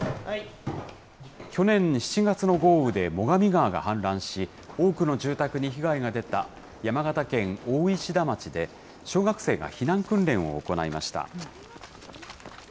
去年７月の豪雨で最上川が氾濫し、多くの住宅に被害が出た、山形県大石田町で、小学生が避難訓練を行いました。